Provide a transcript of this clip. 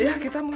nih ada nyamuk